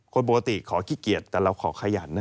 คนปกติขอขี้เกียจแต่เราขอขยันนะ